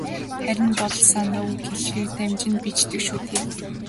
Харин бодол санаа үг хэлээр дамжин биеждэг шүү дээ.